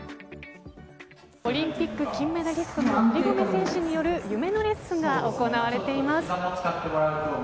オリンピック金メダリストの堀米選手による夢のレッスンが行われています。